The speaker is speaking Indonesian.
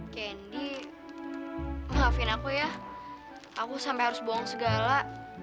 candy maafin aku ya aku sampe harus bohong segala